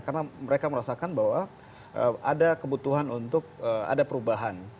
karena mereka merasakan bahwa ada kebutuhan untuk ada perubahan